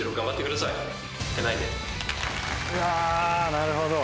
なるほど。